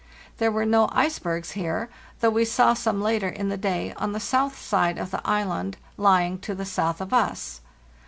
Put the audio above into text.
There were no icebergs here, though we saw some later in the day on the south side of the island lying to the south of us.